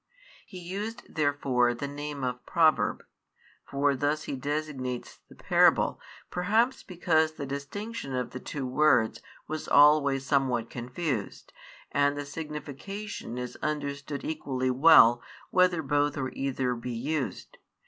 He used therefore the name of proverb, for thus he designates the parable, perhaps because the distinction of the two words was always somewhat confused, and the signification is understood equally well whether both or either be used.